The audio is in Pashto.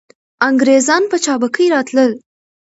انګریزان په چابکۍ راتلل.